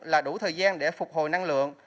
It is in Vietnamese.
là đủ thời gian để phục hồi năng lượng